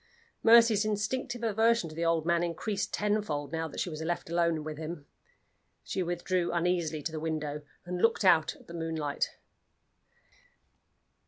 Mercy's instinctive aversion to the old man increased tenfold, now that she was left alone with him. She withdrew uneasily to the window, and looked out at the moonlight.